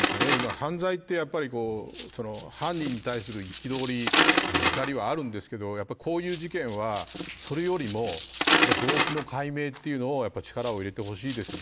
犯罪って、犯人に対する憤り怒りは、あるんですけどこういう事件は、それよりも動機の解明というのを力を入れてほしいですよね。